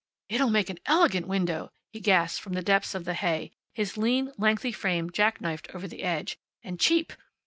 "It'll make an elegant window," he gasped from the depths of the hay, his lean, lengthy frame jack knifed over the edge. "And cheap."